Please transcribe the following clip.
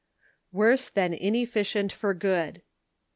WORSE THAN INEFFICIENT FOR GOOD.